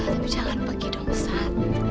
tapi jangan pergi dong pesan